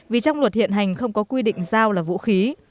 vì trong luật hiện hành không có quy định dao là vũ khí